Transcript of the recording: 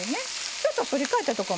ちょっと反り返ったとこもね